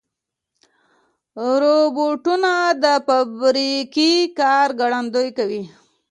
روبوټونه د فابریکې کار ګړندي کوي.